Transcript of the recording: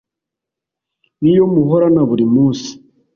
nk’iyo muhorana buri munsi